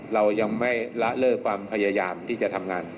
เรายังไม่ละเลิกความพยายามที่จะทำงาน